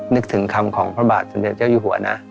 นึกถึงคำของพระบาทสมเด็จเจ้าอยู่หัวนะ